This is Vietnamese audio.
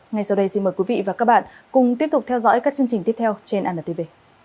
ngay sau đây xin mời quý vị và các bạn cùng tiếp tục theo dõi các chương trình tiếp theo trên antv